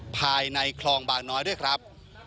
ภายในคลองบางน้อยด้วยครับ